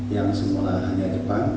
yang semula hanya jepang